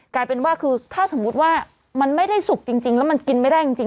กลายเป็นว่าคือถ้าสมมุติว่ามันไม่ได้สุกจริงแล้วมันกินไม่ได้จริง